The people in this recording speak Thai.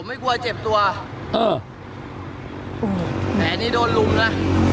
ไม่กลัวเจ็บตัวเออแผลนี่โดนลุมนะ